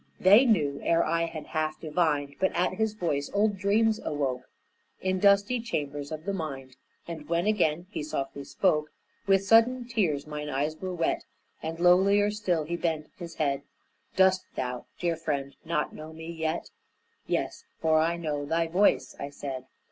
They knew ere I had half divined. But at his voice old dreams awoke In dusty chambers of the mind, And when again he softly spoke With sudden tears mine eyes were wet. And lowlier still he bent his head: "Dost thou, dear friend, not know me yet?" "Yes, for I know thy voice," I said.